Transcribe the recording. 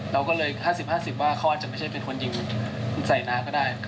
เราก็เลย๕๐๕๐ว่าเขาอาจจะไม่ใช่เป็นคนยิงใส่น้าก็ได้